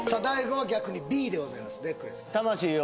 大悟は逆にＢでございます